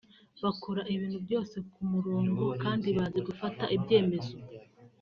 bakora ibintu byose ku murongo kandi bazi gufata ibyemezo